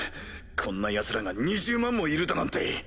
こんなヤツらが２０万もいるだなんて！